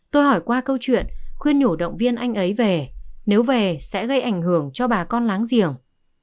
tôi hỏi qua câu chuyện khuyên nhủ động viên anh ấy về nếu về sẽ gây ảnh hưởng cho bà con láng giềng